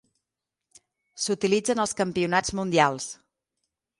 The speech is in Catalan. S'utilitzen als campionats mundials.